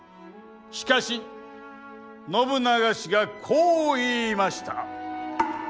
しかし信長氏がこう言いました。